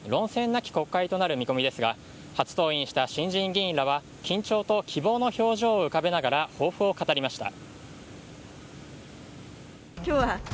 なき国会となる見込みですが初登院した新人議員らは緊張と希望の表情を浮かべながら抱負を語りました。